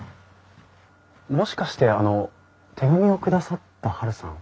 もしかしてあの手紙を下さったはるさん？